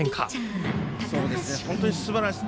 本当にすばらしい。